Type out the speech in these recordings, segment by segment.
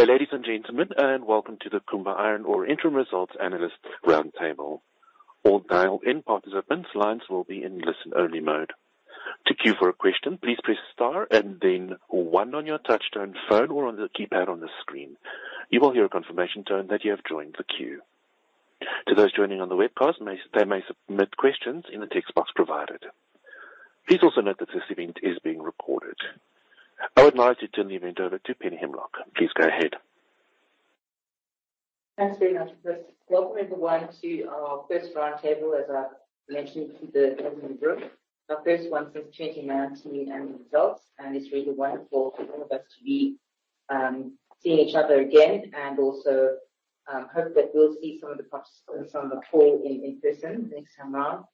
Good day, ladies and gentlemen, and welcome to the Kumba Iron Ore Interim Results Analyst Round Table. All dialed-in participants' lines will be in listen-only mode. To queue for a question, please press star and then one on your touchtone phone or on the keypad on the screen. You will hear a confirmation tone that you have joined the queue. To those joining on the webcast, they may submit questions in the text box provided. Please also note that this event is being recorded. I would now like to turn the event over to Penny Himlok. Please go ahead. Thanks very much. Welcome everyone to our first roundtable, as I mentioned to the gentlemen in the room. Our first one since changing our team and results, and it's really wonderful for all of us to be seeing each other again and also hope that we'll see some of the participants on the call in person next time around.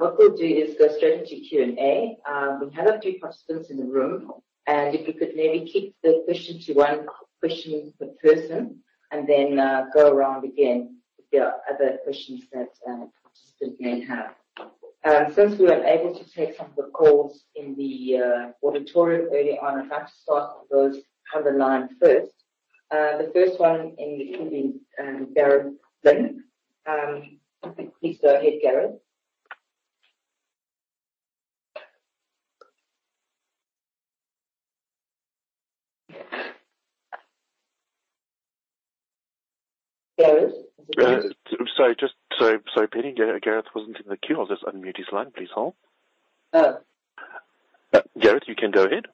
What we'll do is go straight into Q&A. We have a few participants in the room, and if we could maybe keep the question to one question per person and then go around again if there are other questions that a participant may have. Since we were able to take some of the calls in the auditorium early on, I'd like to start with those on the line first. The first one in the queue is Gareth Wynn. Please go ahead, Gareth. Gareth? Sorry, Penny. Gareth wasn't in the queue. I'll just unmute his line, please hold. Oh. Gareth, you can go ahead.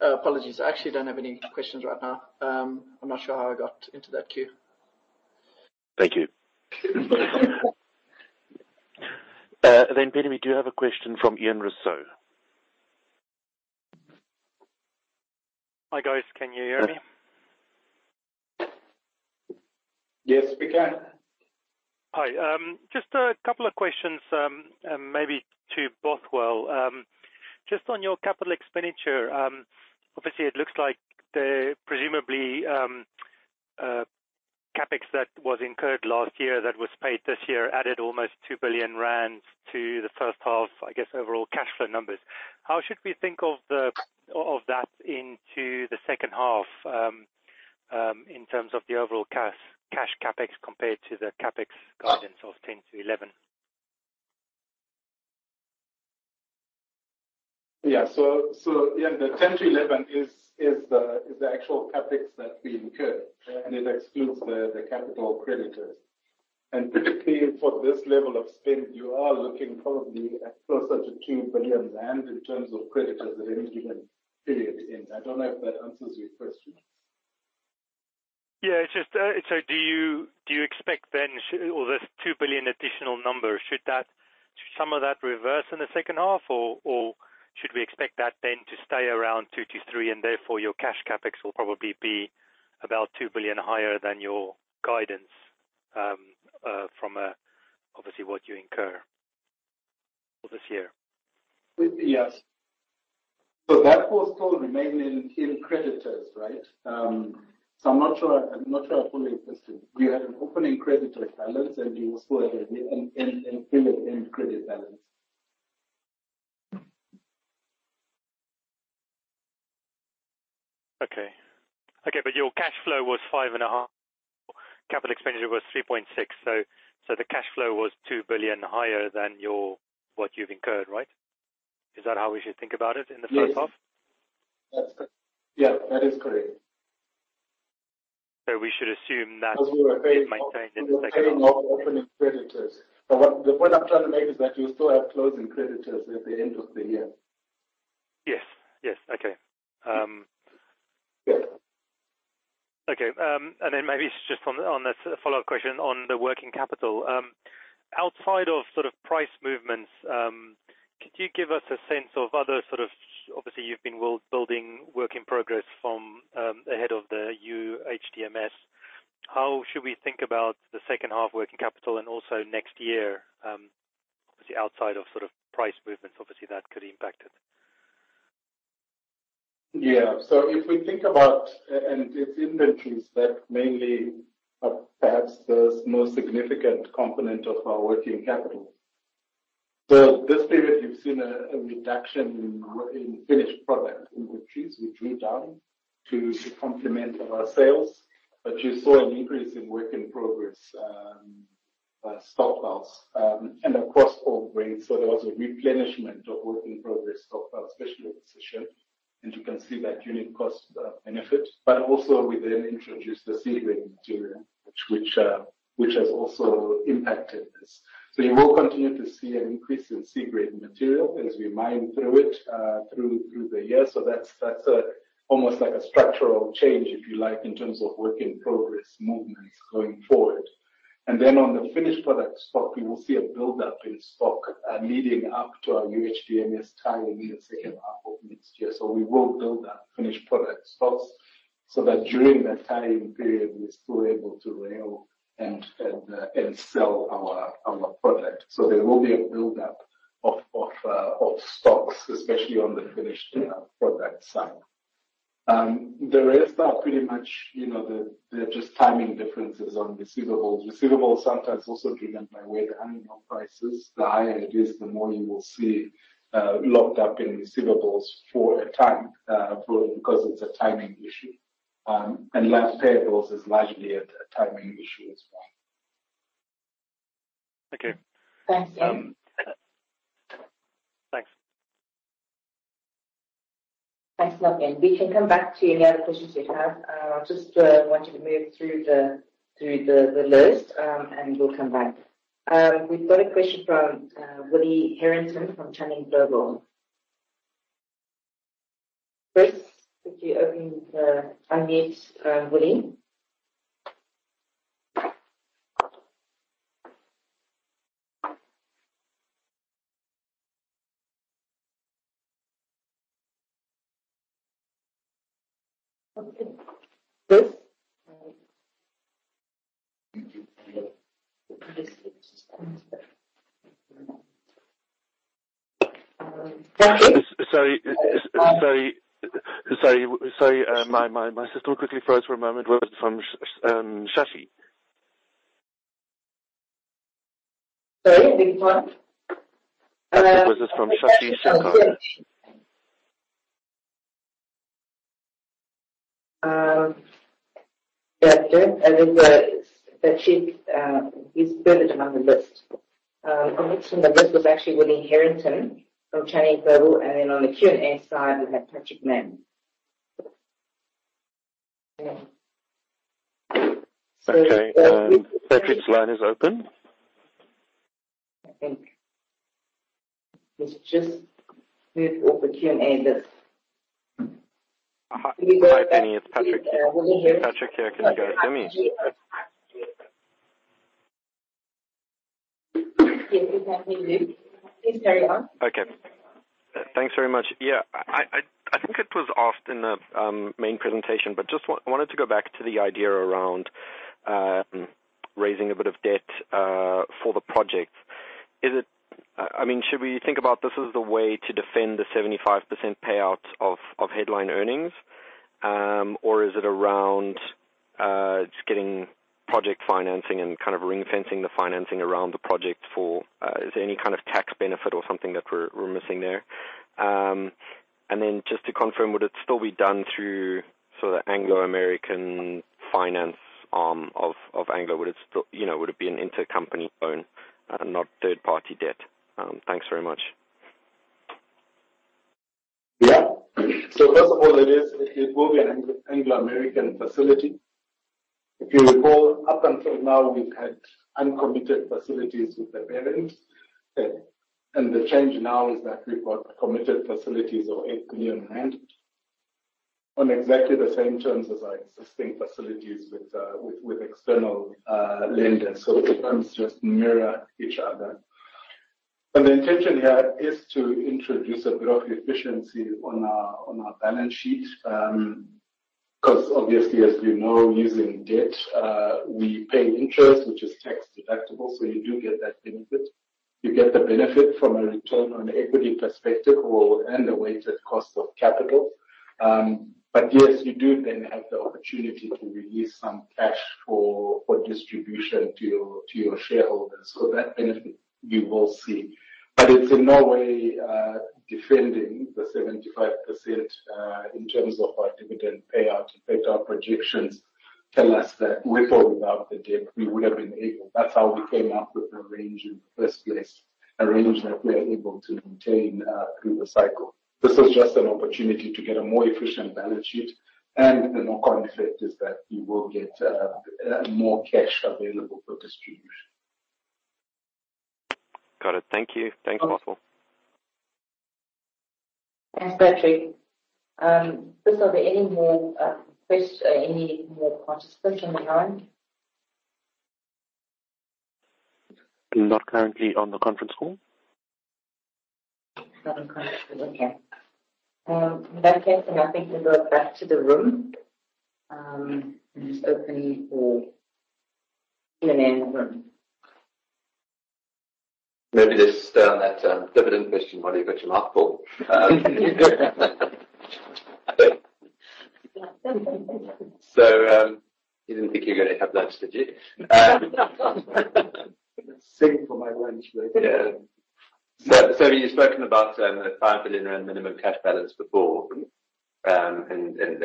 Apologies. I actually don't have any questions right now. I'm not sure how I got into that queue. Thank you. Penny, we do have a question from Ian Rossouw. Hi, guys. Can you hear me? Yes, we can. Hi. Just a couple of questions, maybe to Bothwell. Just on your capital expenditure, obviously it looks like the presumably CapEx that was incurred last year that was paid this year added almost 2 billion rand to the first half, I guess, overall cash flow numbers. How should we think of that into the second half, in terms of the overall cash CapEx compared to the CapEx guidance of 10 billion-11 billion? The 10-11 is the actual CapEx that we incurred, and it excludes the capital creditors. Particularly for this level of spend, you are looking probably at closer to 2 billion rand in terms of creditors at any given period in time. I don't know if that answers your question. Yeah, it's just, do you expect then this 2 billion additional number, should some of that reverse in the second half or should we expect that then to stay around 2 billion-3 billion and therefore your cash CapEx will probably be about 2 billion higher than your guidance from obviously what you incur for this year? Yes. That was still remaining in creditors, right? I'm not sure I fully understood. We had an opening creditor balance, and we will still have an end creditor balance. Your cash flow was 5.5 billion. Capital expenditure was 3.6 billion, so the cash flow was 2 billion higher than what you've incurred, right? Is that how we should think about it in the first half? Yes. That's correct. Yeah, that is correct. We should assume that. As we were paying off. It maintained in the second half. We were paying off opening creditors. The point I'm trying to make is that you still have closing creditors at the end of the year. Yes. Yes. Okay. Yes. Okay. Maybe just on a follow-up question on the working capital. Outside of sort of price movements, could you give us a sense of other sort of. Obviously, you've been building work in progress from ahead of the UHDMS. How should we think about the second half working capital and also next year, obviously outside of sort of price movements, obviously that could impact it? Yeah. If we think about, and it's inventories that mainly are perhaps the most significant component of our working capital. This period, you've seen a reduction in finished product inventories, which went down to complement our sales. But you saw an increase in work in progress stockpiles and across all grades. There was a replenishment of work in progress stockpiles, especially at Sishen. You can see that unit cost benefit. Also we then introduced the C grade material, which has also impacted this. You will continue to see an increase in C grade material as we mine through it through the year. That's almost like a structural change, if you like, in terms of work in progress movements going forward. On the finished product stock, you will see a buildup in stock leading up to our UHDMS tie-in in the second half of next year. We will build that finished product stocks so that during that tie-in period, we're still able to rail and sell our product. There will be a buildup of stocks, especially on the finished product side. The rest are pretty much, you know, they're just timing differences on receivables. Receivables sometimes also driven by where the iron ore price is. The higher it is, the more you will see locked up in receivables for a time because it's a timing issue. Payables is largely a timing issue as well. Thank you. Thanks, Ian. Thanks. Thanks, Norman. We can come back to any other questions you have. I just want you to move through the list, and we'll come back. We've got a question from Rodney Herenton from Channing Global. Chris, could you unmute Rodney? Chris? Sorry. My system quickly froze for a moment. Was from Shafi. Sorry, which one? I think this is from Shafi Shikoh I think that she is further down the list. The list was actually Woody Harrington from Channing Global, and then on the Q&A side we have Patrick Mann. Yeah. Okay. Patrick's line is open. I think it's just third off the Q&A list. Hi, Penny. It's Patrick. Patrick here. Can you guys hear me? Yes, we can hear you. Please carry on. Okay. Thanks very much. Yeah. I think it was asked in the main presentation, but just wanted to go back to the idea around raising a bit of debt for the project. I mean, should we think about this as the way to defend the 75% payout of headline earnings? Or is it around just getting project financing and kind of ring-fencing the financing around the project for, is there any kind of tax benefit or something that we're missing there? And then just to confirm, would it still be done through sort of Anglo American finance arm of Anglo? Would it still, you know, would it be an intercompany loan, not third party debt? Thanks very much. Yeah. First of all, it will be an Anglo American facility. If you recall, up until now we've had uncommitted facilities with the parent. The change now is that we've got committed facilities of 8 billion rand on exactly the same terms as our existing facilities with external lenders. The terms just mirror each other. The intention here is to introduce a bit of efficiency on our balance sheet. Because obviously, as you know, using debt, we pay interest, which is tax deductible, so you do get that benefit. You get the benefit from a return on equity perspective or a weighted cost of capital. But yes, you do then have the opportunity to release some cash for distribution to your shareholders. That benefit you will see. It's in no way defending the 75% in terms of our dividend payout. In fact, our projections tell us that with or without the debt, we would have been able. That's how we came up with the range in the first place. A range that we are able to maintain through the cycle. This is just an opportunity to get a more efficient balance sheet and the knock-on effect is that you will get more cash available for distribution. Got it. Thank you. Thanks, Bothwell. Thanks, Patrick. Chris, are there any more participants on the line? Not currently on the conference call. Not on conference call. Okay. In that case, I think we go back to the room, and just open for Q&A in the room. Maybe just on that dividend question while you've got your mic on. You didn't think you were gonna have lunch, did you? Save for my lunch break. Yeah, you've spoken about a 5 billion minimum cash balance before. That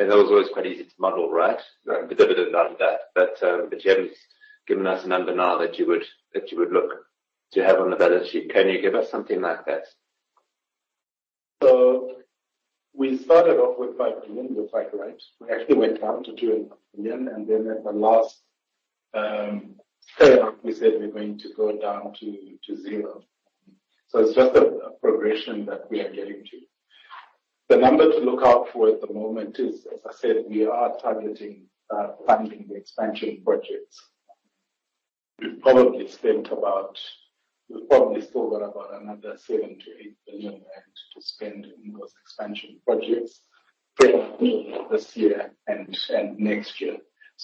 was always quite easy to model, right? The dividend out of that. You haven't given us a number now that you would look to have on the balance sheet. Can you give us something like that? We started off with 5 billion. You're quite right. We actually went down to 2.5 billion, and then at the last stay up, we said we're going to go down to zero. It's just a progression that we are getting to. The number to look out for at the moment is, as I said, we are targeting funding the expansion projects. We've probably still got about another 7-8 billion to spend in those expansion projects this year and next year.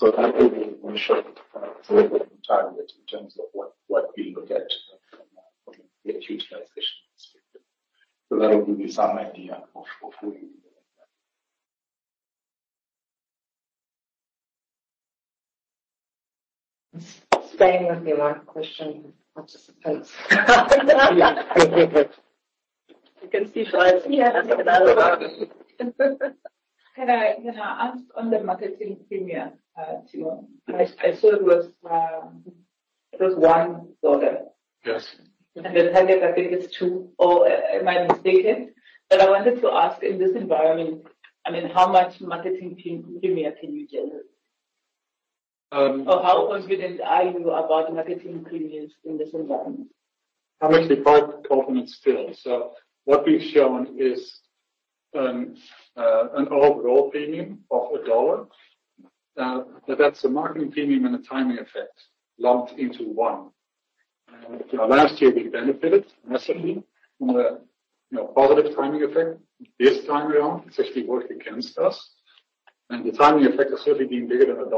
I think we're short of our target in terms of what we look at. Spain would be my question, participants. Can I ask on the marketing premium? I saw it was $1. Yes. The target I think is 2, or am I mistaken? I wanted to ask, in this environment, I mean, how much marketing premium can you generate? Um- How confident are you about marketing premiums in this environment? I'm actually quite confident still. What we've shown is an overall premium of $1. That's a marketing premium and a timing effect lumped into one. You know, last year we benefited massively from a you know positive timing effect. This time around, it's actually worked against us, and the timing effect has certainly been bigger than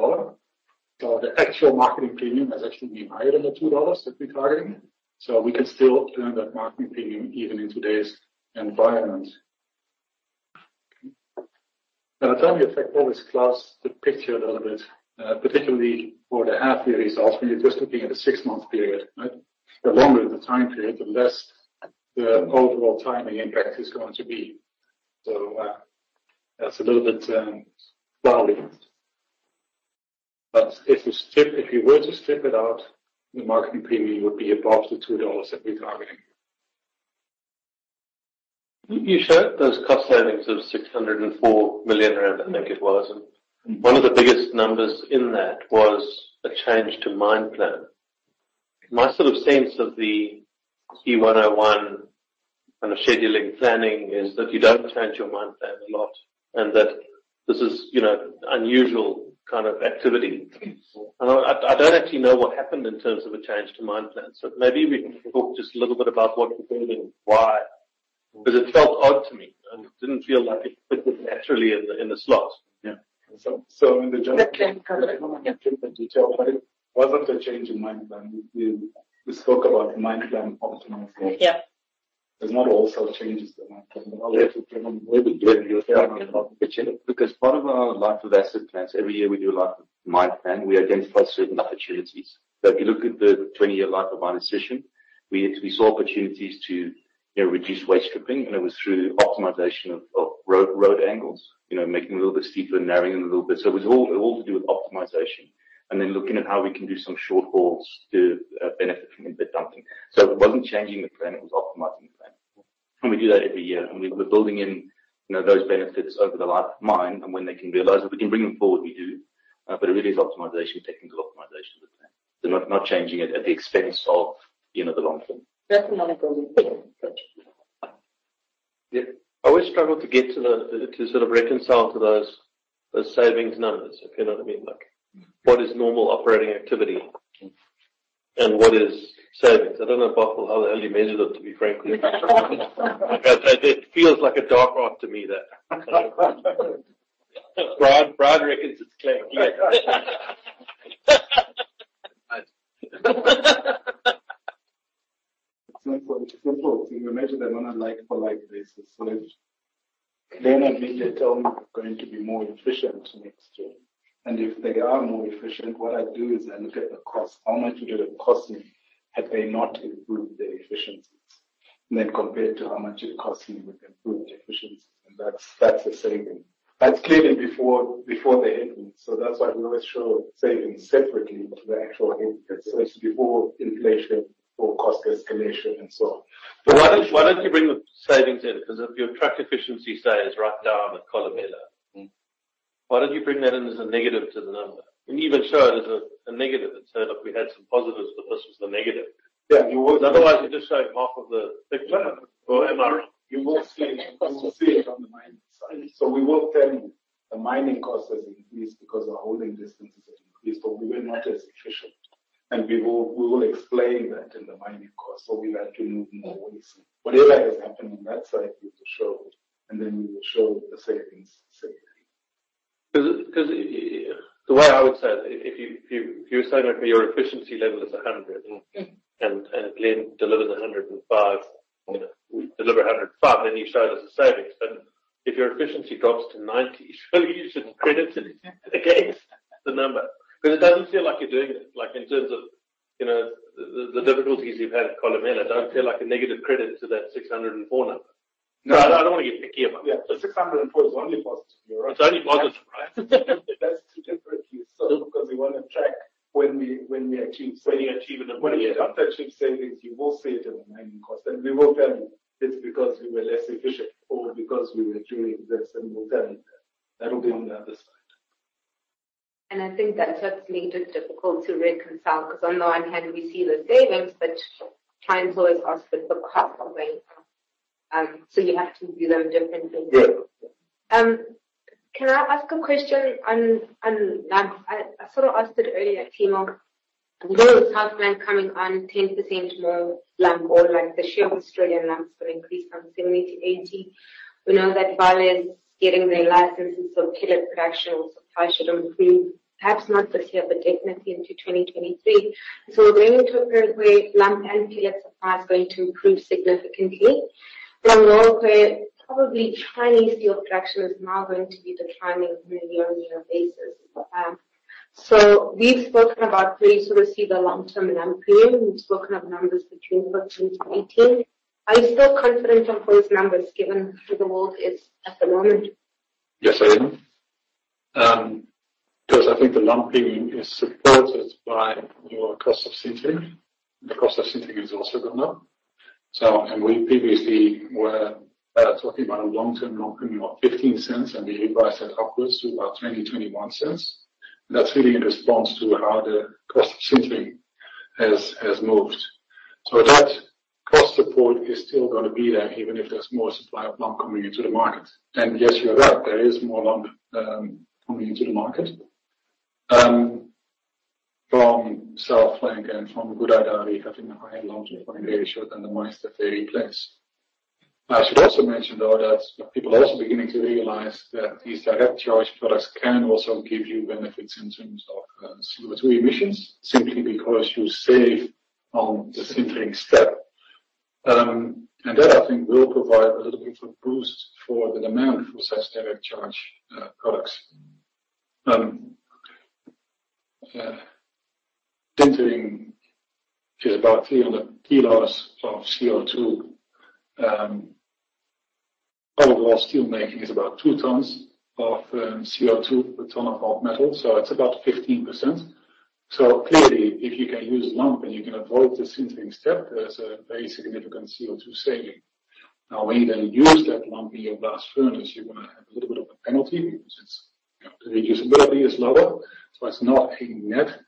$1. The actual marketing premium has actually been higher than the $2 that we're targeting. We can still earn that marketing premium even in today's environment. Now, the timing effect always clouds the picture a little bit, particularly for the half-year results when you're just looking at a six-month period, right? The longer the time period, the less the overall timing impact is going to be. That's a little bit cloudy. If you were to strip it out, the marketing premium would be above the $2 that we're targeting. You showed those cost savings of 604 million rand, I think it was. One of the biggest numbers in that was a change to mine plan. My sort of sense of the E101 kind of scheduling planning is that you don't change your mine plan a lot, and that this is, you know, unusual kind of activity. I don't actually know what happened in terms of a change to mine plan, so maybe we can talk just a little bit about what you're doing and why. Because it felt odd to me, and it didn't feel like it fitted naturally in the slot. Yeah. In the general- That plan covered. Yeah. It wasn't a change in mine plan. We spoke about mine plan optimization. Yeah. It's not just changes to the mine plan. Because part of our life of mine plans, every year we do a life of mine plan. We identify certain opportunities. If you look at the 20-year life of our Sishen, we saw opportunities to, you know, reduce waste stripping, and it was through optimization of road angles. You know, making them a little bit steeper and narrowing them a little bit. It was all to do with optimization. Looking at how we can do some short hauls to benefit from in-pit dumping. It wasn't changing the plan, it was optimizing the plan. We do that every year. We're building in, you know, those benefits over the life of mine. When they can realize that we can bring them forward, we do. It really is optimization, technical optimization of the plan. They're not changing it at the expense of, you know, the long term. That's another question. Yeah. I always struggle to get to sort of reconcile to those savings numbers, if you know what I mean. Like, what is normal operating activity and what is savings? I don't know, Bothwell, how the hell you measured it, to be frankly. It feels like a dark art to me there. Brian reckons it's clear. It's not so simple. We measure them on a like-for-like basis. I mean, they tell me they're going to be more efficient next year. If they are more efficient, what I do is I look at the cost. How much would it have cost me had they not improved their efficiencies? Compare it to how much it costs me with improved efficiencies, and that's the saving. That's clearly before the input. That's why we always show savings separately to the actual input. It's before inflation or cost escalation and so on. Why don't you bring the savings in? Because if your truck efficiency, say, is right down at Kolomela. Mm-hmm. Why don't you bring that in as a negative to the number? Even show it as a negative and say, "Look, we had some positives, but this was the negative. Yeah. Otherwise, you're just showing half of the picture. Am I wrong? You will see it on the mining side. We will tell you the mining cost has increased because our hauling distances have increased, but we were not as efficient. We will explain that in the mining cost. We had to move more waste. Whatever has happened on that side, we will show, and then we will show the savings separately. Because the way I would say, if you're saying, like, your efficiency level is 100. Mm-hmm. Glenn delivers 105. Deliver 105, then you show it as a saving. If your efficiency drops to 90, surely you should credit it against the number. Because it doesn't feel like you're doing it. Like, in terms of, you know, the difficulties you've had at Kolomela, don't feel like a negative credit to that 604 number. No, I don't want to get picky about this. Yeah. The 604 is only positive, you're right. It's only positive, right? That's two different views. Because we wanna track when we achieve savings. When you achieve it, yeah. When you don't achieve savings, you will see it in the mining cost. We will tell you it's because we were less efficient or because we were doing this, and we'll tell you that. That'll be on the other side. I think that's what's made it difficult to reconcile, because on the one hand we see the savings, but clients always ask for the cost of it. You have to view them differently. Yeah. Um- Can I ask a question on lump? I sort of asked it earlier, Timo. We know South Flank coming on 10% more lump ore, like their Australian lumps will increase from 70%-80%. We know that Vale is getting their licenses, so pellet production or supply should improve, perhaps not this year, but definitely into 2023. We're going into a period where lump and pellet supply is going to improve significantly. We're in a world where probably Chinese steel production is now going to be declining on a year-on-year basis. We've spoken about ways to receive a long-term lump premium. We've spoken of numbers between $14-$18. Are you still confident on those numbers given where the world is at the moment? Yes, I am. Because I think the lumping is supported by your cost of sintering. The cost of sintering has also gone up. We previously were talking about a long-term lump premium of $0.15, and we revised that upwards to about $0.20-$0.21. That's really in response to how the cost of sintering has moved. That cost support is still gonna be there, even if there's more supply of lump coming into the market. Yes, you're right, there is more lump coming into the market from South Flank and from Gudai-Darri having a higher lump to fine ratio than the mines that they replace. I should also mention, though, that people are also beginning to realize that these direct charge products can also give you benefits in terms of CO2 emissions simply because you save on the sintering step. That I think will provide a little bit of a boost for the demand for such direct charge products. Sintering is about 300 kilos of CO2. Overall steel making is about 2 tons of CO2 per ton of hot metal, so it's about 15%. Clearly, if you can use lump and you can avoid the sintering step, there's a very significant CO2 saving. Now, when you then use that lump in your blast furnace, you're gonna have a little bit of a penalty since, you know, the reusability is lower, so it's not a net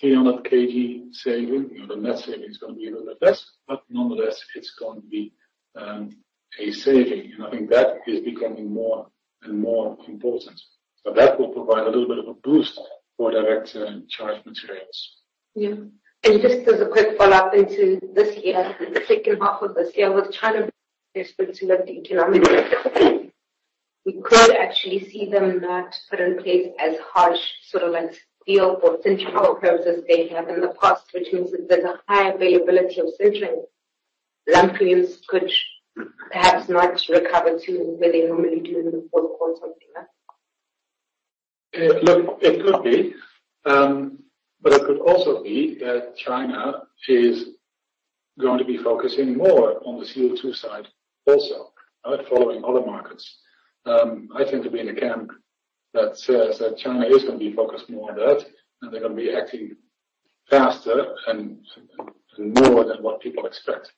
300 kg saving. You know, the net saving is gonna be a little bit less, but nonetheless, it's going to be a saving. I think that is becoming more and more important. That will provide a little bit of a boost for direct charge materials. Yeah. Just as a quick follow-up into this year, the second half of this year, with China desperate to lift the economy, we could actually see them not put in place as harsh sort of like steel or sintering quotas they have in the past, which means that there's a high availability of sintering. Lump premiums could perhaps not recover to where they normally do in the fourth quarter or something, right? Look, it could be, but it could also be that China is going to be focusing more on the CO2 side also, right? Following other markets. I tend to be in the camp that says that China is gonna be focused more on that, and they're gonna be acting faster and more than what people expect.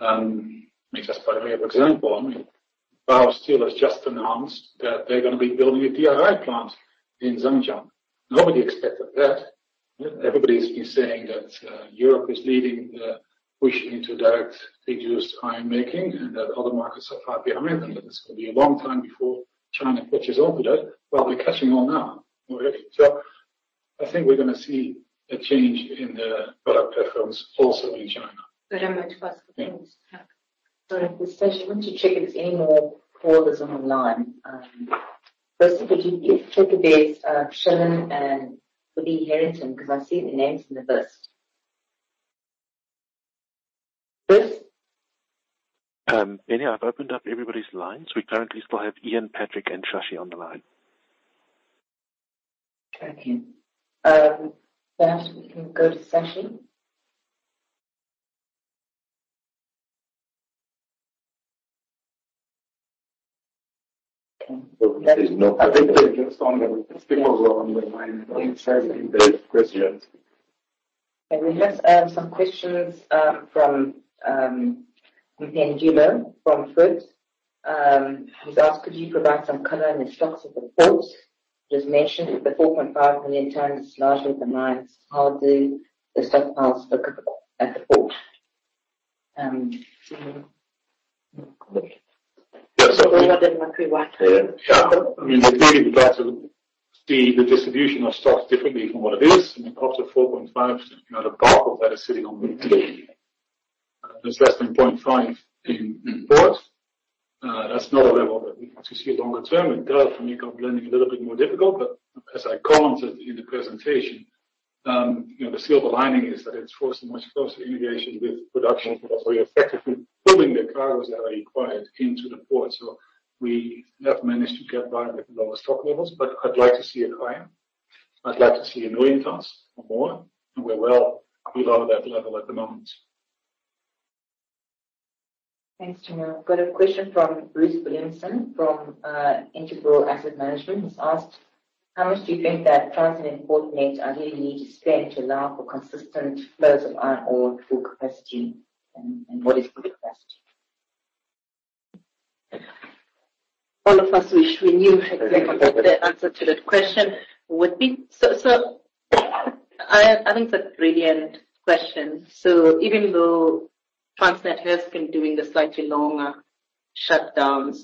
I mean, just by way of example, I mean, Baosteel has just announced that they're gonna be building a DRI plant in Zhanjiang. Nobody expected that. You know, everybody's been saying that, Europe is leading the push into direct reduced iron making and that other markets are far behind and that it's gonna be a long time before China catches on to that, but they're catching on now already. I think we're gonna see a change in the product preference also in China. Very much possible. Thanks. Sorry. Just want to check if there's any more callers on the line. Bruce, could you just check if there's Sharon and Rodney Herenton, 'cause I see their names in the list. Bruce? Penny Himlok, I've opened up everybody's lines. We currently still have Ian Rossouw, Patrick Mann, and Shashi Sikander on the line. Okay. First we can go to Shashi. There's no- People are on the line. There's questions. We have some questions from Angelo from Fouts. He's asked, "Could you provide some color in the stocks at the port? Just mentioned the 4.5 million tons is largely the mines. How do the stockpiles look at the port?" Timo. Yeah. Rather than my pre-write. Yeah. Sure. I mean, clearly, we'd like to see the distribution of stocks differently from what it is. I mean, of the 4.5, you know, the bulk of that is sitting on the Mm-hmm. There's less than 0.5 in port. That's not a level that we want to see longer term. It does make our blending a little bit more difficult, but as I commented in the presentation, you know, the silver lining is that it's forced a much closer integration with production because we are effectively pulling the cargoes that are required into the port. We have managed to get by with lower stock levels, but I'd like to see it higher. I'd like to see 1 million tons or more, and we're well below that level at the moment. Thanks, Timo. I've got a question from Bruce Williamson from Integral Asset Management. He's asked, "How much do you think that Transnet ideally need to spend to allow for consistent flows of iron ore to capacity? And what is good capacity? All of us wish we knew what the answer to that question would be. I think that's a brilliant question. Even though Transnet has been doing the slightly longer shutdowns,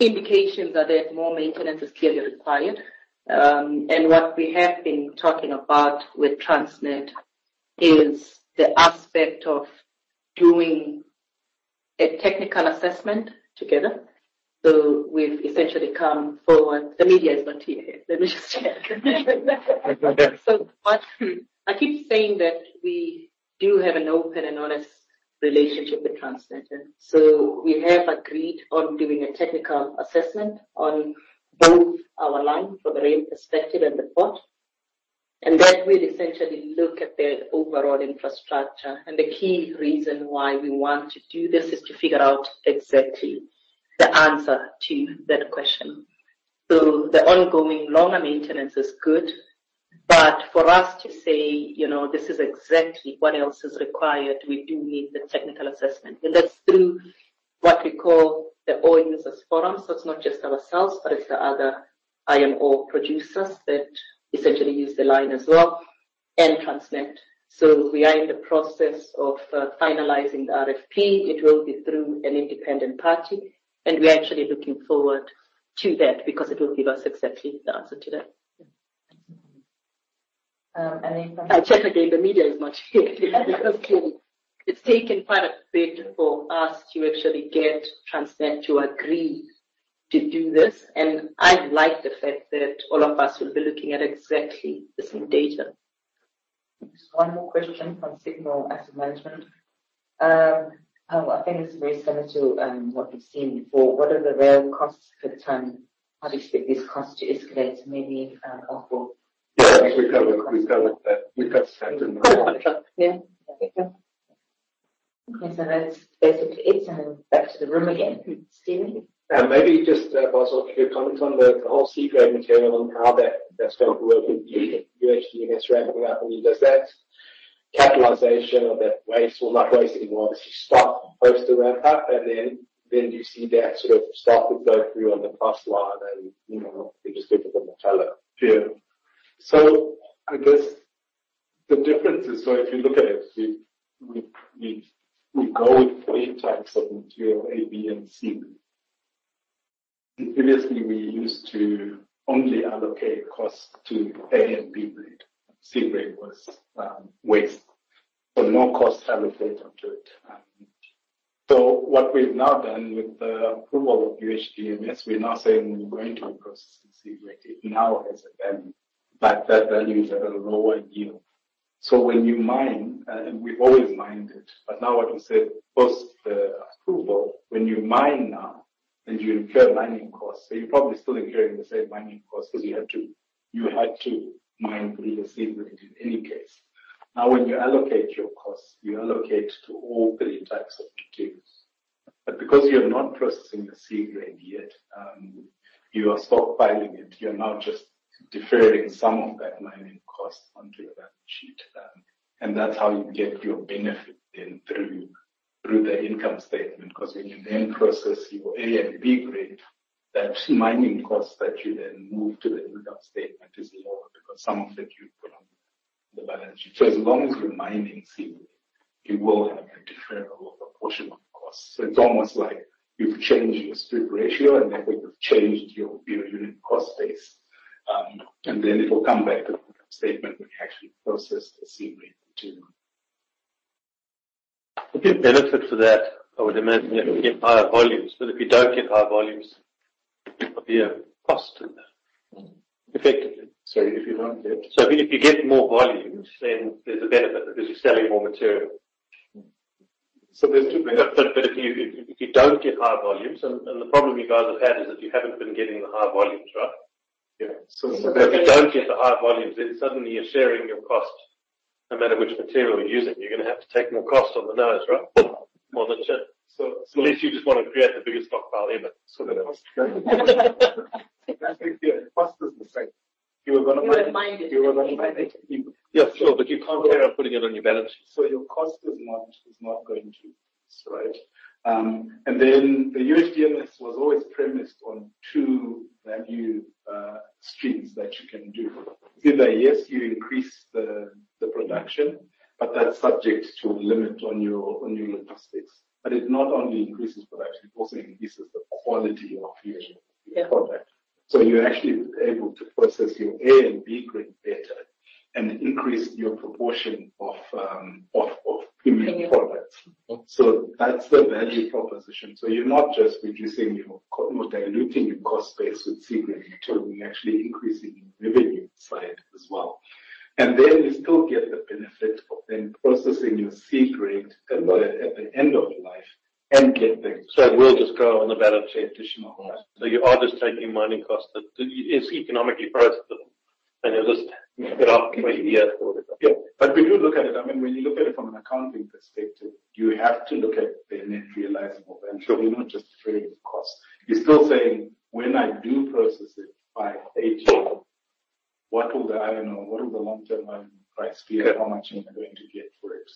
indications are that more maintenance is clearly required. What we have been talking about with Transnet is the aspect of doing a technical assessment together. We've essentially come forward. The media is not here yet. Let me just check. Not yet. I keep saying that we do have an open and honest relationship with Transnet. We have agreed on doing a technical assessment on both our line from the rail perspective and the port, and that will essentially look at the overall infrastructure. The key reason why we want to do this is to figure out exactly the answer to that question. The ongoing longer maintenance is good, but for us to say, you know, this is exactly what else is required, we do need the technical assessment. That's through what we call the Ore Users Forum. It's not just ourselves, but it's the other iron ore producers that essentially use the line as well, and Transnet. We are in the process of finalizing the RFP. It will be through an independent party, and we're actually looking forward to that because it will give us exactly the answer to that. Yeah. Um, anything- I checked again, the media is not here. Okay. It's taken quite a bit for us to actually get Transnet to agree to do this, and I like the fact that all of us will be looking at exactly the same data. Just one more question from Sygnia Asset Management. I think it's very similar to what we've seen before. What are the rail costs for the ton? How do you expect this cost to escalate, maybe, on for- We covered that. We've got standard- Yeah. Okay. That's basically it. Then back to the room again. Steven. Maybe just, Bothwell Mazarura, if you could comment on the whole C grade material and how that's gonna work with UHDMS ramping up. I mean, does that capitalization of that waste or not waste anymore, does it stop post the ramp up, and then do you see that sort of start to flow through on the cost line and, you know, just give us a bit more color. I guess the difference is, if you look at it, we go with three types of material, A, B, and C. Previously, we used to only allocate costs to A and B grade. C grade was waste. No costs are allocated to it. What we've now done with the approval of UHDMS, we're now saying we're going to process C grade. It now has a value, but that value is at a lower yield. When you mine, and we've always mined it, but now what we said, post the approval, when you mine now, then you incur mining costs. You're probably still incurring the same mining costs because you had to mine for your C grade in any case. Now, when you allocate your costs, you allocate to all three types of materials. because you're not processing the C grade yet, you are stockpiling it. You're now just deferring some of that mining cost onto your balance sheet. that's how you get your benefit then through the income statement, 'cause when you then process your A and B grade, that mining cost that you then move to the income statement is lower because some of it you've put on the balance sheet. as long as you're mining C, you will have a deferral of a portion of costs. it's almost like you've changed your strip ratio, and therefore you've changed your unit cost base. it'll come back to the income statement when you actually process the C grade material. The benefit to that, I would imagine, you have to get higher volumes, but if you don't get higher volumes, there'll be a cost to that effectively. If you don't get- If you get more volumes, then there's a benefit because you're selling more material. There's two benefits. If you don't get higher volumes, and the problem you guys have had is that you haven't been getting the higher volumes, right? Yeah. If you don't get the higher volumes, then suddenly you're sharing your cost. No matter which material you're using, you're gonna have to take more cost on the nose, right? More than share. So- Unless you just wanna create the biggest stockpile ever, so that it. The cost is the same. You are gonna mine. You are mining. You are gonna mine it. Yeah. Sure. You can't carry on putting it on your balance sheet. Your cost is not going to slide. The UHDMS was always premised on two value streams that you can do. It's either, yes, you increase the production, but that's subject to a limit on your logistics. It not only increases production, it also increases the quality of your product. Yeah. You're actually able to process your A and B grade better and increase your proportion of premium products. Premium. That's the value proposition. You're not just reducing or diluting your cost base with C-grade material. You're actually increasing your revenue side as well. You still get the benefit of then processing your C-grade at the end of life and get the- It will just grow on the balance sheet. Additional life. You are just taking mining costs that it's economically processed them, and you'll just put it off for eight years or whatever. Yeah. When you look at it, I mean, when you look at it from an accounting perspective, you have to look at the net realizable value. Sure. You're not just deferring the cost. You're still saying, "When I do process it by 2018, I don't know, what will the long-term iron price be? Yeah. “How much am I going to get for it?”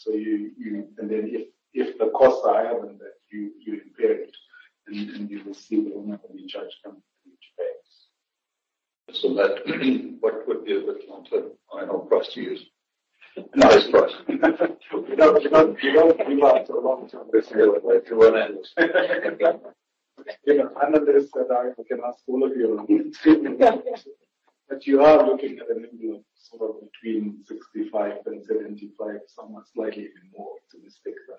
If the costs are higher than that, you impair it. You will see the number when you charge them in each phase. What would be a good long-term final price to use? Nice price. You know, you don't do that for a long time. You know, I know this, that I can ask all of you. You are looking at a number of sort of between 65 and 75, somewhat slightly even more optimistic than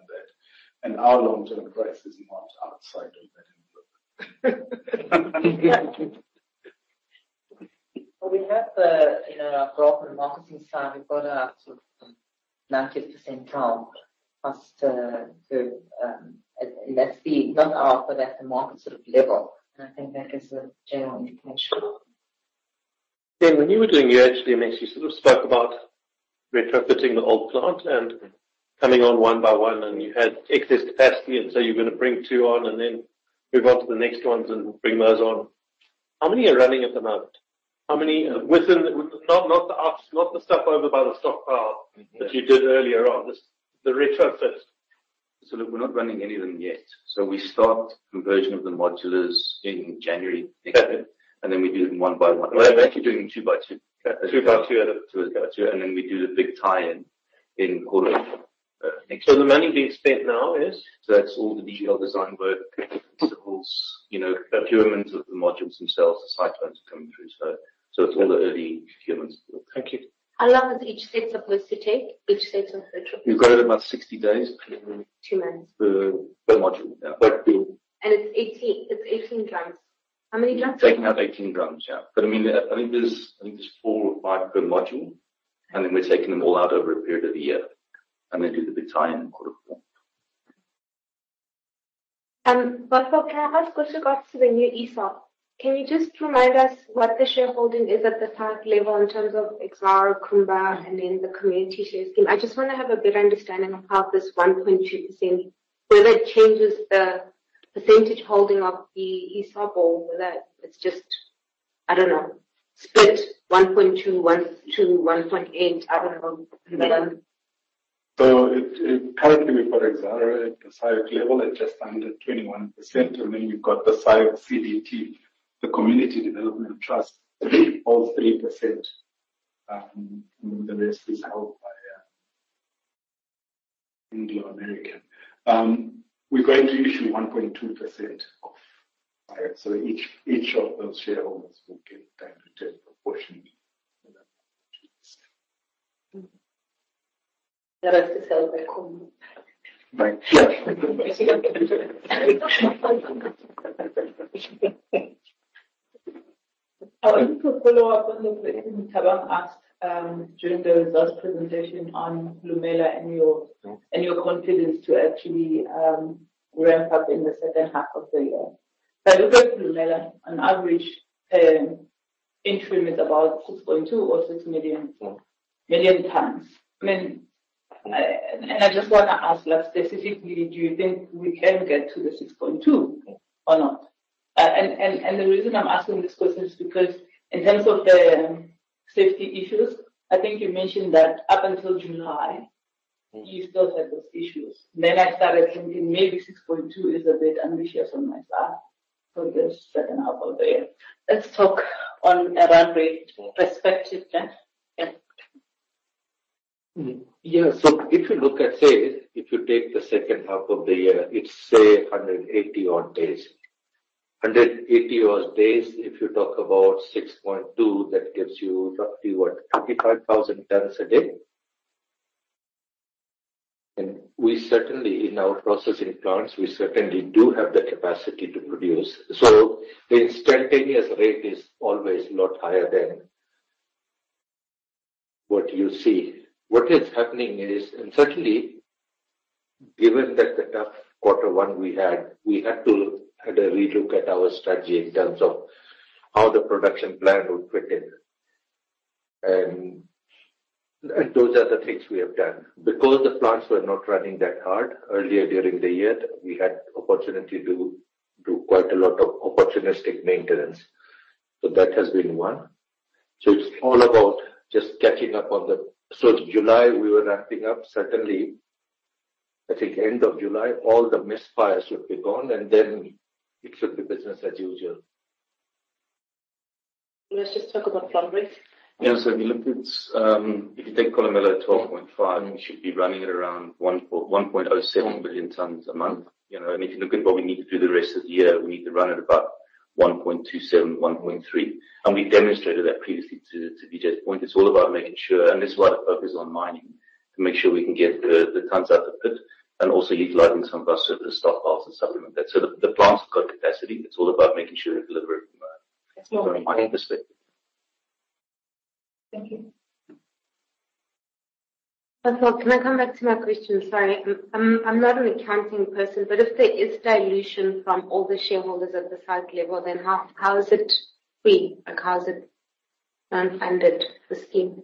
that. Our long-term price is not outside of that envelope. Well, we have, in our global marketing side, we've got a sort of 90% C1 cost to not our, but at the market sort of level. I think that gives a general indication. When you were doing your HMX, you sort of spoke about retrofitting the old plant and coming on one by one, and you had excess capacity, and so you're gonna bring two on and then move on to the next ones and bring those on. How many are running at the moment? Within, not the ops, not the stuff over by the stockpile that you did earlier on. Just the retrofits. Look, we're not running any of them yet. We start conversion of the modulars in January next year. Okay. We do them one by one. Right. We're actually doing two by two. Two by two. 2 by 2, and then we do the big tie-in in quarter four. The money being spent now is? That's all the detailed design work, principles, you know, procurement of the modules themselves, the cyclones are coming through. It's all the early procurements. Thank you. How long does each set of those take, each set of the truck? We've got about 60 days. 2 months. Per module, yeah. It's 18 drums. How many drums? Taking out 18 drums, yeah. I mean, I think there's 4 or 5 per module, and then we're taking them all out over a period of a year, and then do the big tie-in in quarter four. Bothwell Mazarura, can I ask with regards to the new ESOP, can you just remind us what the shareholding is at the site level in terms of Exxaro, Kumba, and then the community share scheme? I just wanna have a better understanding of how this 1.2%, whether it changes the percentage holding of the ESOP or whether it's just, I don't know, split 1.2, 1%-1.8%. I don't know. Currently we've got Exxaro at the site level at just under 21%, and then you've got the site CDT, the Community Development Trust, of 3%. The rest is held by Anglo American. We're going to issue 1.2% of IR, so each of those shareholders will get that return proportionally. The rest is held by Kumba. Right. I want to follow up on the question Thabang asked during the results presentation on Kolomela and your confidence to actually ramp up in the second half of the year. If I look at Kolomela, on average, interim is about 6.2 or 6 million- Yeah. million tonnes. I mean, I just wanna ask, like, specifically, do you think we can get to the 6.2 or not? And the reason I'm asking this question is because in terms of the safety issues, I think you mentioned that up until July, you still had those issues. I started thinking maybe 6.2 is a bit ambitious on my side for the second half of the year. Let's talk on a run rate perspective then. Yeah. Yeah. If you look at, say, if you take the second half of the year, it's, say, 180-odd days. 180-odd days, if you talk about 6.2, that gives you roughly, what? 25,000 tonnes a day. We certainly, in our processing plants, we certainly do have the capacity to produce. The instantaneous rate is always a lot higher than what you see. What is happening is, certainly given that the tough quarter one we had, we had to have a relook at our strategy in terms of how the production plan would fit in. Those are the things we have done. Because the plants were not running that hard earlier during the year, we had opportunity to do quite a lot of opportunistic maintenance. That has been one. July, we were ramping up. Certainly, I think end of July, all the misfires should be gone, and then it should be business as usual. Let's just talk about run rate. Yeah. If you look at, if you take Kolomela 12.5, we should be running at around 1.07 billion tonnes a month. You know, I mean, if you look at what we need to do the rest of the year, we need to run at about 1.27, 1.3. We demonstrated that previously to Vijay's point. It's all about making sure, and this is why the focus on mining, to make sure we can get the tonnes out the pit and also utilizing some of our sort of stock piles to supplement that. So the plant's got capacity. It's all about making sure we deliver it from there. That's all. From a mining perspective. Thank you. Bothwell, can I come back to my question? Sorry, I'm not an accounting person, but if there is dilution from all the shareholders at the site level, then how is it free? Like, how is it non-funded, the scheme?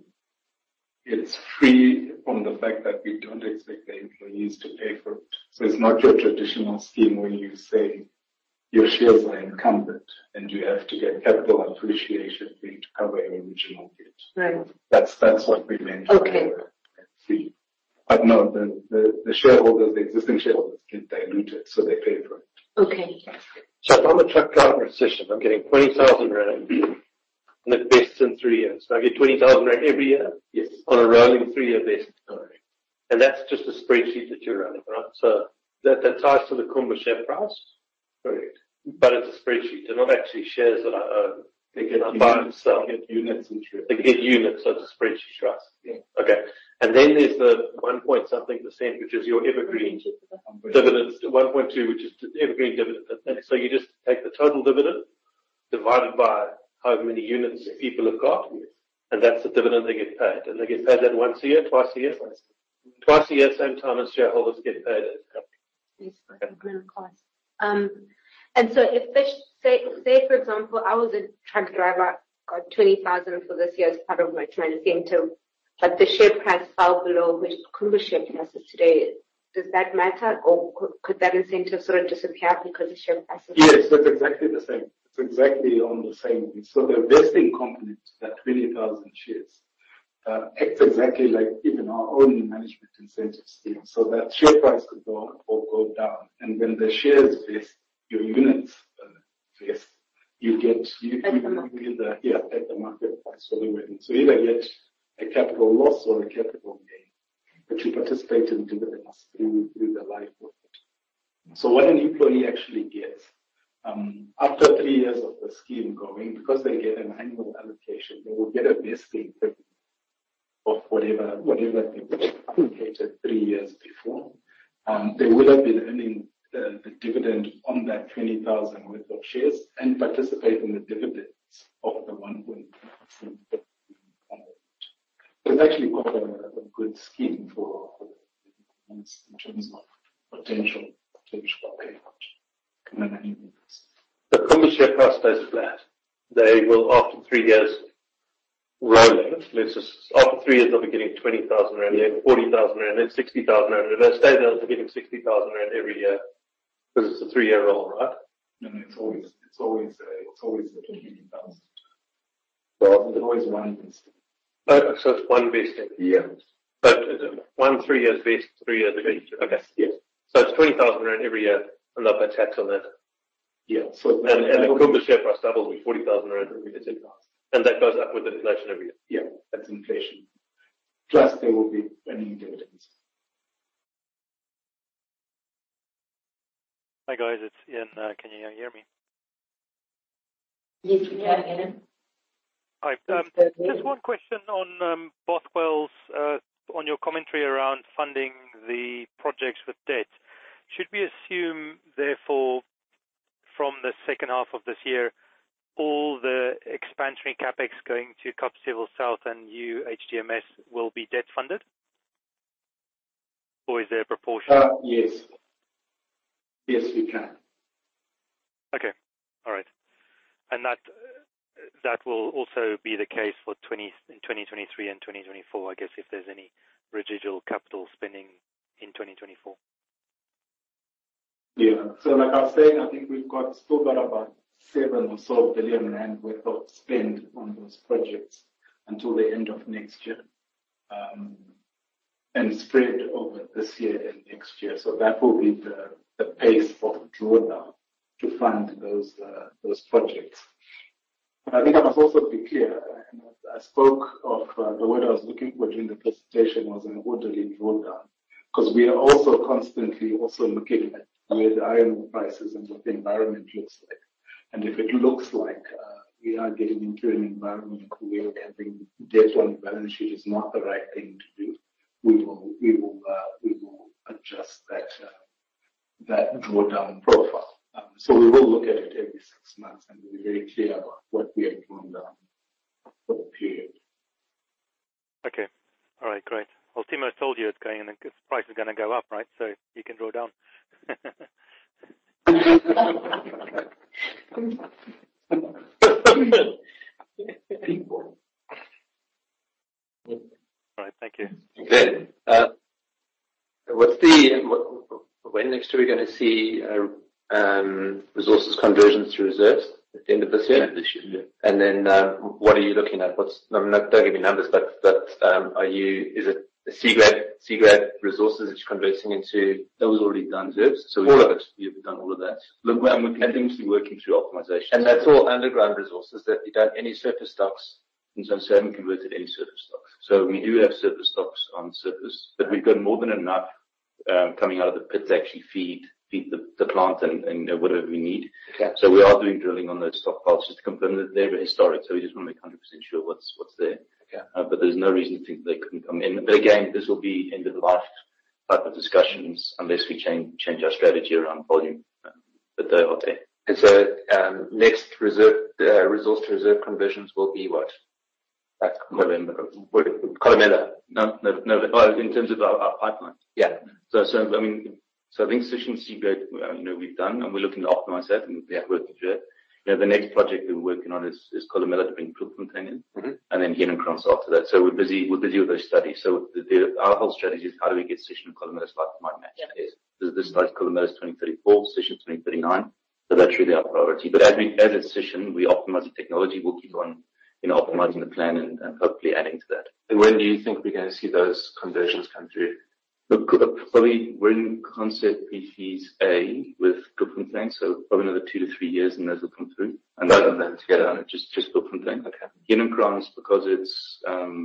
It's free from the fact that we don't expect the employees to pay for it. It's not your traditional scheme where you say your shares are encumbered, and you have to get capital appreciation fee to cover your original debt. Right. That's what we mentioned earlier. No, the shareholders, the existing shareholders get diluted, so they pay for it. Okay. If I'm a truck driver assistant, I'm getting 20,000 rand and it vests in three years. I get 20,000 rand every year? Yes. On a rolling three-year vest. Correct. That's just a spreadsheet that you're running, right? That ties to the Kumba share price. Correct. It's a spreadsheet. They're not actually shares that I own. They get units. They get units, so it's a Sishen Trust. Yeah. Okay. There's the 1.something%, which is your evergreen dividends. 1.2, which is the evergreen dividend. You just take the total dividend, divide it by however many units people have got. Yes. That's the dividend they get paid. They get paid that once a year, twice a year? Twice. Twice a year, same time as shareholders get paid. Yes, I agree with cost. If they say, for example, I was a truck driver, got 20,000 ZAR for this year as part of my training incentive, but the share price fell below which Kumba share price is today. Does that matter or could that incentive sort of disappear because the share price is? Yes, that's exactly the same. It's exactly on the same. The vesting component, that 20,000 shares, acts exactly like even our own management incentives scheme. That share price could go up or go down. When the shares vest, your units vest, you get- At the market price. Yeah, at the market price for the vesting. You either get a capital loss or a capital gain, but you participate in dividends through the life of it. What an employee actually gets after three years of the scheme going, because they get an annual allocation, they will get a vesting of whatever they were allocated three years before. They would have been earning the dividend on that 20,000 worth of shares and participate in the dividends of the 1.2%. It's actually quite a good scheme for employees in terms of potential payout. The Kumba share price stays flat. After 3 years, they'll be getting 20 thousand rand, then 40 thousand rand, then 60 thousand rand. If they stay there, they'll be getting 60 thousand rand every year because it's a 3-year roll, right? No, it's always a 20,000. Pardon? It's always one vesting. Oh, it's one vesting. Yeah. One, three years vest. Okay. Yes. It's 20,000 rand every year, and they'll pay tax on that. Yeah. The Kumba share price doubles to 40,000 rand every year. That goes up with inflation every year. Yeah, that's inflation. Plus, there will be any dividends. Hi, guys. It's Ian. Can you hear me? Yes, we can, Ian. All right. Yes, go ahead. Just one question on Bothwell's commentary around funding the projects with debt. Should we assume, therefore, from the second half of this year, all the expansion CapEx going to Kapstevel South and new UHDMS will be debt-funded? Or is there a proportion? Yes. Yes, we can. Okay. All right. That will also be the case in 2023 and 2024, I guess, if there's any residual capital spending in 2024. Yeah. Like I was saying, I think we've still got about 7 billion rand worth of spend on those projects until the end of next year, and spread over this year and next year. That will be the pace of drawdown to fund those projects. I think I must also be clear, and I spoke of the word I was looking for during the presentation was an orderly drawdown, 'cause we are also constantly looking at where the iron ore prices and what the environment looks like. If it looks like we are getting into an environment where having debt on the balance sheet is not the right thing to do, we will adjust that drawdown profile. We will look at it every six months, and we're very clear about what we are drawing down for the period. Okay. All right. Great. Well, Timo told you it's going and the price is gonna go up, right? You can draw down. All right. Thank you. When next are we gonna see resources conversion to reserves? At the end of this year? End of this year, yeah. What are you looking at? Don't give me numbers, but is it the Sishen resources that you're converting into- That was already done. Reserves? All of it. You've done all of that. Look, we're continuously working through optimization. That's all underground resources that you've done. Any surface stocks? In terms of, we haven't converted any surface stocks. We do have surface stocks on surface, but we've got more than enough coming out of the pits to actually feed the plant and whatever we need. Okay. We are doing drilling on those stockpiles just to confirm that they're historic. We just wanna make 100% sure what's there. Okay. There's no reason to think they couldn't come in. Again, this will be end-of-life type of discussions unless we change our strategy around volume. They are there. Next reserve resource to reserve conversions will be what? That's Kolomela. Kolomela. No, no. Oh, in terms of our pipeline. Yeah. I mean, so I think Sishen, you know, we've done and we're looking to optimize that, and we have work to do it. You know, the next project we're working on is Kolomela to bring Kapstevel. Mm-hmm. Heinekrans after that. We're busy with those studies. Our whole strategy is how do we get Sishen and Kolomela's pipeline matched. Yeah. 'Cause the start of Kolomela is 2034, Sishen, 2039. That's really our priority. As at Sishen, we optimize the technology. We'll keep on, you know, optimizing the plan and hopefully adding to that. When do you think we're gonna see those conversions come through? Look, probably we're in concept phase A with Kloofontein, so probably another 2-3 years, and those will come through. Those are together, just Kloofontein. Okay. Heinekrans, because it's a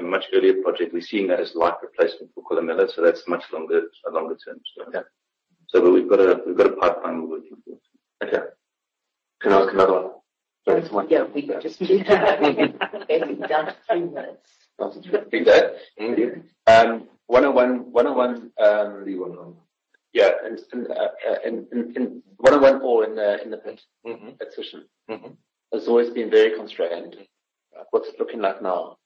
much earlier project. We're seeing that as life replacement for Kolomela, so that's much longer, a longer term project. Okay. We've got a pipeline we're working towards. Okay. Can I ask another one? Yeah, we're down to a few minutes. Okay. One-on-one. Yeah. One-on-one or in the pit assessment. Mm-hmm. Mm-hmm. Has always been very constrained. What's it looking like now?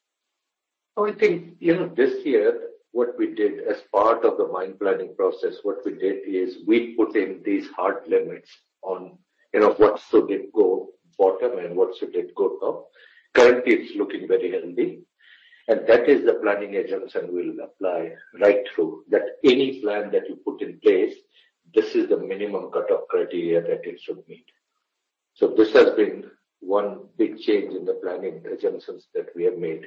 I think, you know, this year what we did as part of the mine planning process, what we did is we put in these hard limits on, you know, what should it go bottom and what should it go top. Currently, it's looking very healthy, and that is the planning guidance and will apply right through. That any plan that you put in place, this is the minimum cut-off criteria that it should meet. This has been one big change in the planning assumptions that we have made.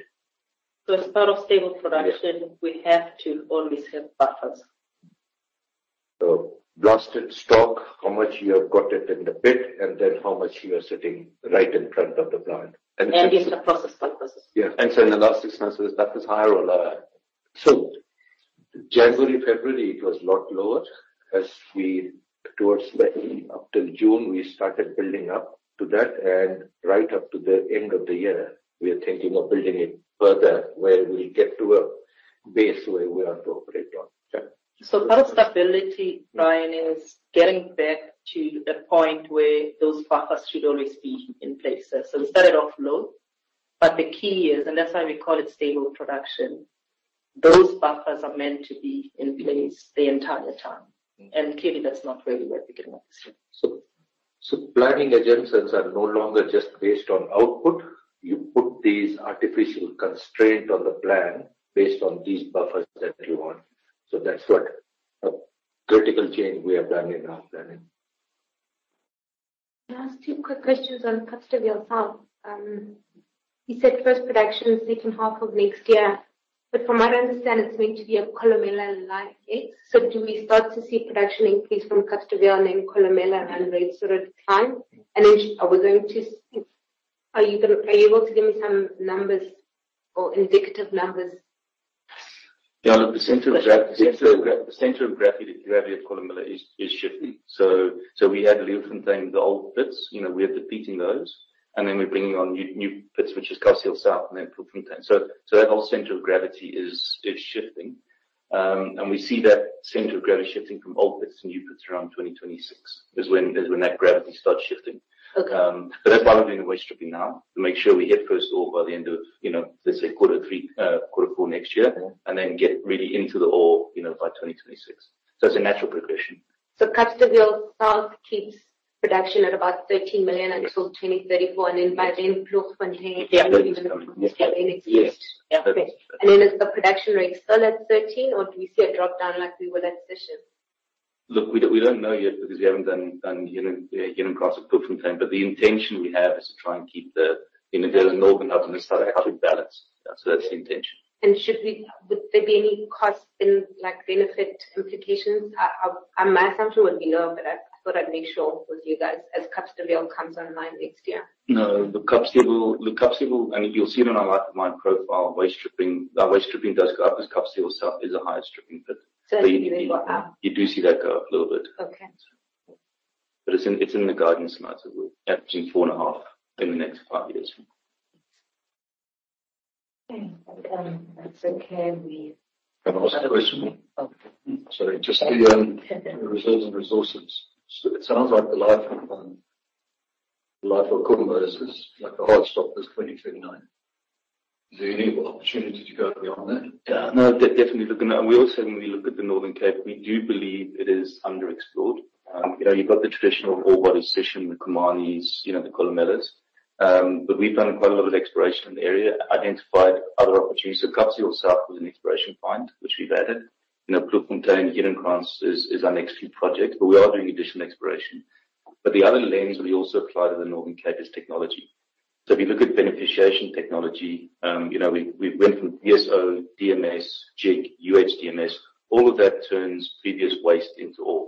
As part of stable production. Yes. We have to always have buffers. Blasted stock, how much you have got it in the pit, and then how much you are sitting right in front of the plant. These are process purposes. Yeah. In the last six months, that was higher or lower? January, February, it was a lot lower. Towards May up till June, we started building up to that, and right up to the end of the year, we are thinking of building it further where we get to a base where we want to operate on. Okay. Part of stability, Ryan, is getting back to a point where those buffers should always be in place. We started off low, but the key is, and that's why we call it stable production, those buffers are meant to be in place the entire time. Clearly, that's not where we were at the beginning of this year. Planning assumptions are no longer just based on output. You put these artificial constraint on the plan based on these buffers that you want. That's what a critical change we have done in our planning. Last two quick questions on Kapstevel South. You said first production is second half of next year. From what I understand, it's going to be a Kolomela-like. Do we start to see production increase from Kapsa and then Kolomela and then sort of decline? Are you able to give me some numbers or indicative numbers? The center of gravity of Kolomela is shifting. We had Leeuwfontein, the old pits. You know, we are depleting those, and then we're bringing on new pits, which is Kapstevel South and then Klooffontein. That whole center of gravity is shifting. We see that center of gravity shifting from old pits to new pits around 2026, when that gravity starts shifting. Okay. That's why we're doing waste stripping now to make sure we hit first ore by the end of, you know, let's say quarter three, quarter four next year. Yeah. Get really into the ore, you know, by 2026. It's a natural progression. Kapstevel South keeps production at about 13 million until 2034. By then, Klooffontein. Yeah. Coming next year. Yes. Okay. Is the production rate still at 13 or do we see a drop down like we were that session? Look, we don't know yet because we haven't done Heinekrans or Klooffontein, but the intention we have is to try and keep the, you know, the northern up and the southern up in balance. That's the intention. Would there be any cost and, like, benefit implications? My assumption would be no, but I thought I'd make sure with you guys as Kapstevel South comes online next year. No. The Kapstevel will. You'll see it in our life of mine profile. Waste stripping, our waste stripping does go up 'cause Kapstevel South is a higher stripping pit. It's really right now. You do see that go up a little bit. Okay. It's in the guidance as averaging 4.5 in the next 5 years. Okay. That's okay. Can I ask a question? Oh. Sorry. Just the reserves and resources. It sounds like the life of Kolomela is, like, the hard stop is 2039. Is there any opportunity to go beyond that? Yeah. No, definitely looking. We also, when we look at the Northern Cape, we do believe it is underexplored. You know, you've got the traditional orebody succession, the Kumani, you know, the Kolomela. We've done quite a lot of exploration in the area, identified other opportunities. Kapstevel South was an exploration find, which we've added. You know, Klooffontein, Heinekrans is our next few projects, but we are doing additional exploration. The other lens we also apply to the Northern Cape is technology. If you look at beneficiation technology, you know, we went from PSO, DMS, Jig, UHDMS. All of that turns previous waste into ore.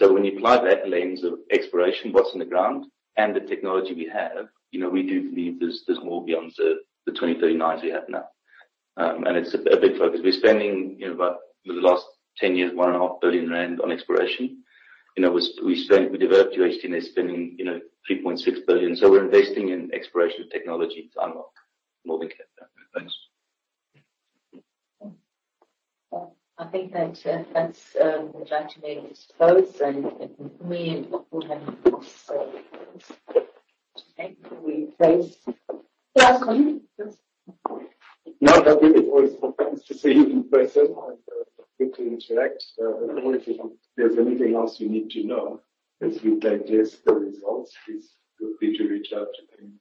When you apply that lens of exploration, what's in the ground and the technology we have, you know, we do believe there's more beyond the 2039 we have now. It's a big focus. We're spending, you know, about the last 10 years, one and a half billion rand on exploration. You know, we developed UHDMS spending, you know, 3.6 billion. We're investing in exploration technology to unlock Northern Cape. Thanks. I think that that's we'd like to make this close. We have to thank you. We close. No, but it was nice to see you in person and good to interact. If there's anything else you need to know as we digest the results, please feel free to reach out to him.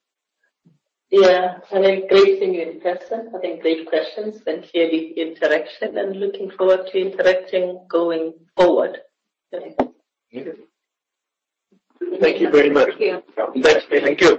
Yeah. Great seeing you in person. I think great questions and clearly interaction and looking forward to interacting going forward. Yeah. Thank you very much. Thank you. Thanks. Thank you.